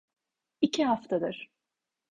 İki haftadır.